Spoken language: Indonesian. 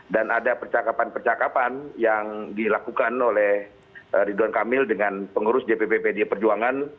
dan ada percakapan percakapan yang dilakukan oleh ridwan kamil dengan pengurus dpp pdi perjuangan